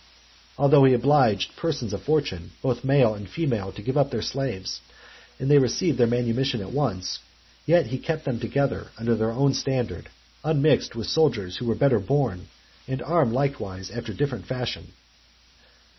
Although he obliged persons of fortune, both male and female, to give up their slaves, and they received their manumission at once, yet he kept them together under their own standard, unmixed with soldiers who were better born, and armed likewise after different fashion.